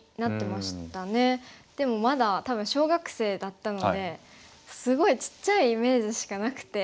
でもまだ小学生だったのですごいちっちゃいイメージしかなくて。